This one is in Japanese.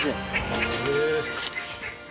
へえ！